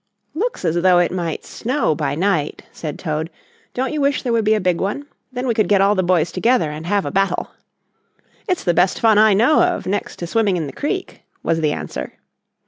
"Looks as though it might snow by night," said Toad, "don't you wish there would be a big one? Then we could get all the boys together and have a battle." "It's the best fun I know of, next to swimming in the creek," was the answer.